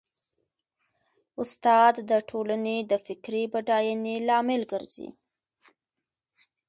استاد د ټولنې د فکري بډاینې لامل ګرځي.